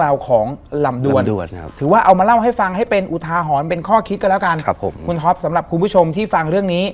แล้วก็ทิ้งลูกไว้คนหนึ่ง